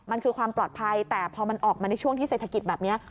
มันคือความปลอดภัยแต่พอมันออกมาในช่วงที่เศรษฐกิจแบบนี้